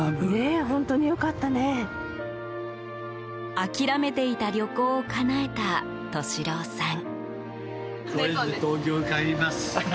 諦めていた旅行をかなえた利郎さん。